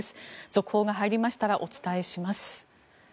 続報が入りましたらお伝えします。